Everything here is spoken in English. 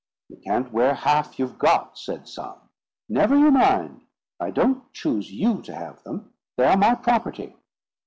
"You can't wear half you've got," said some. "Never you mind; I don't choose you to have them: they are my property."